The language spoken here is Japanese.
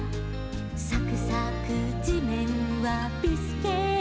「さくさくじめんはビスケット」